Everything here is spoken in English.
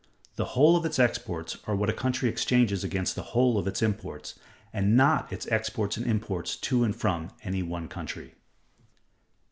The whole of its exports are what a country exchanges against the whole of its imports, and not its exports and imports to and from any one country.